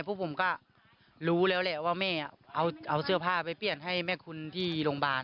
พวกผมก็รู้แล้วแหละว่าแม่เอาเสื้อผ้าไปเปลี่ยนให้แม่คุณที่โรงพยาบาล